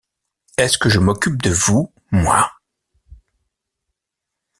Est-ce que je m’occupe de vous, moi !